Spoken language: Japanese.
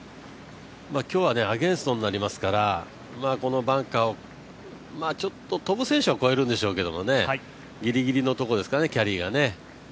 今日はアゲンストになりますから、このバンカー、飛ぶ選手は越えるんでしょうけどギリギリのところですかね、キャリーが。